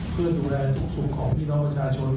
เพื่อดูแลทุกสุขของพี่น้องประชาชน